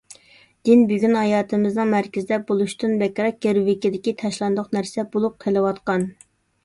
دىن بۈگۈن ھاياتىمىزنىڭ مەركىزىدە بولۇشتىن بەكرەك گىرۋىكىدىكى تاشلاندۇق نەرسە بولۇپ قېلىۋاتقان.